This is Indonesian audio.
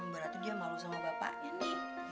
berarti dia malu sama bapaknya nih